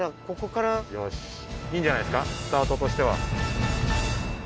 よしいいんじゃないですかスタートとしては。